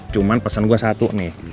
cuma pesan gue satu nih